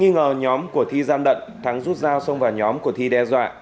nhóm của thi gian đận thắng rút rao xông vào nhóm của thi đe dọa